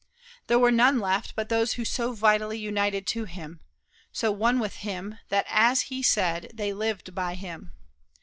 There were none left but those so vitally united to him, so "one with him" that, as he said, they "lived by him."